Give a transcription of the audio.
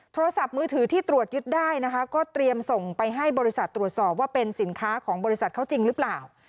โทรศัพท์มือถือที่ตรวจยึดได้นะคะก็เตรียมส่งไปให้บริษัทตรวจสอบว่าเป็นสินค้าของบริษัทเขาจริงหรือเปล่า